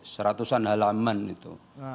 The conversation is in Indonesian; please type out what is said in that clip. seratusan halaman itu